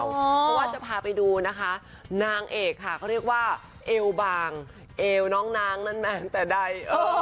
เพราะว่าจะพาไปดูนะคะนางเอกค่ะเขาเรียกว่าเอวบางเอวน้องนางนั้นแม้แต่ใด